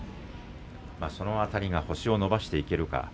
その辺りが星を伸ばしていけるかどうか。